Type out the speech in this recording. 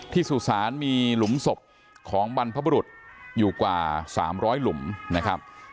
สุสานมีหลุมศพของบรรพบุรุษอยู่กว่า๓๐๐หลุมนะครับ